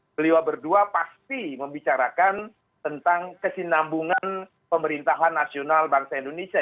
beliau berdua pasti membicarakan tentang kesinambungan pemerintahan nasional bangsa indonesia